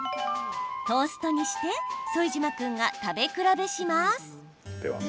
トーストにして副島君が食べ比べします。